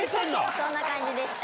そんな感じでした。